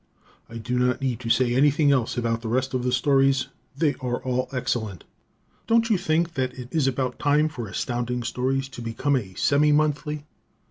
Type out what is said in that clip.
I do not need to say anything else about the rest of the stories they are all excellent. Don't you think that it is about time for Astounding Stories to become a semi monthly?